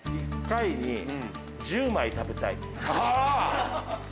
１回に１０枚食べたい。